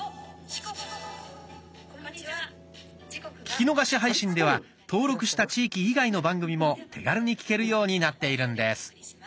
「聴き逃し配信」では登録した地域以外の番組も手軽に聴けるようになっているんです。